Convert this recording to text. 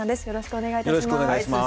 よろしくお願いします。